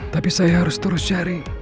tapi saya harus terus cari